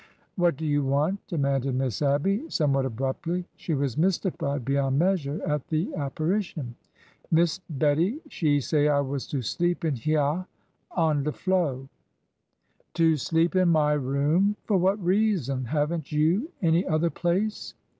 ORDER NO. 11 o What do you want ? demanded Miss Abby, some what abruptly. She was mystified beyond measure at the apparition. Miss Bettie she say I was to sleep in hyeah on de To sleep in my room! For what reason? Haven't you any other place